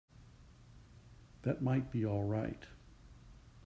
That might be all right.